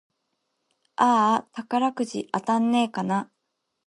あーあ、宝くじ当たんねぇかな